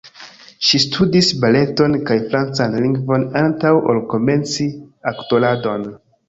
Ŝi studis baleton kaj francan lingvon antaŭ ol komenci aktoradon.